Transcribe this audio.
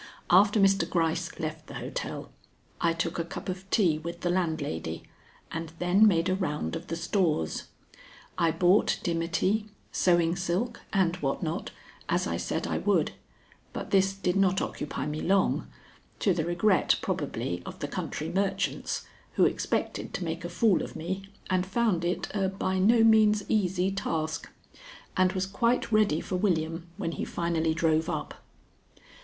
After Mr. Gryce left the hotel, I took a cup of tea with the landlady and then made a round of the stores. I bought dimity, sewing silk, and what not, as I said I would, but this did not occupy me long (to the regret probably of the country merchants, who expected to make a fool of me and found it a by no means easy task), and was quite ready for William when he finally drove up.